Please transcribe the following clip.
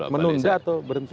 menunda atau berhenti